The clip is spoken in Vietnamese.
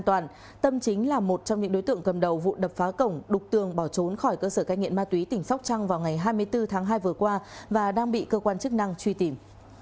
đỗ tâm chính là một trong những đối tượng cầm đầu vụ đập phá cổng đục tường bỏ trốn khỏi cơ sở cách nghiện ma túy tỉnh sóc trăng vào ngày hai mươi bốn tháng hai vừa qua và đang bị cơ quan chức năng truy tìm